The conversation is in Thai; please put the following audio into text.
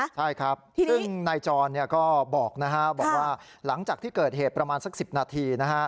ใช่ครับซึ่งนายจรก็บอกว่าหลังจากที่เกิดเหตุประมาณสัก๑๐นาที